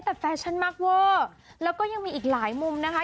แต่แฟชั่นมากเวอร์แล้วก็ยังมีอีกหลายมุมนะคะ